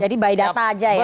jadi by data aja ya